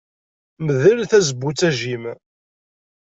Mdel tazewwut a Jim.